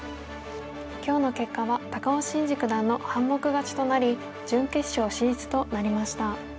今日の結果は高尾紳路九段の半目勝ちとなり準決勝進出となりました。